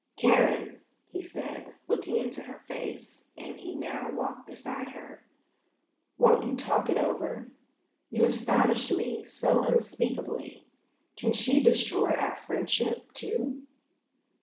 "Karen," he said, looking into her face as he now walked beside her; "won't you talk it over? You astonish me so unspeakably. Can she destroy our friendship, too?